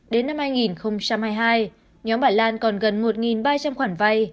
đến năm hai nghìn hai mươi hai nhóm bà lan còn gần một ba trăm linh khoản vay